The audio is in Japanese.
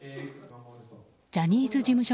ジャニーズ事務所